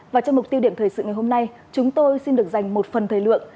và trong mục tiêu điểm thời sự ngày hôm nay chúng tôi xin được dành một phần thời lượng